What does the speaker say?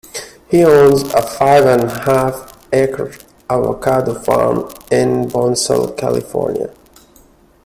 He owns a five-and-a-half acre avocado farm in Bonsall, California.